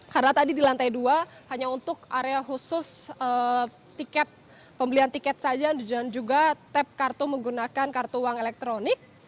karena tadi di lantai dua hanya untuk area khusus pembelian tiket saja dan juga tap kartu menggunakan kartu uang elektronik